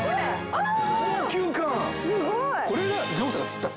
あっ。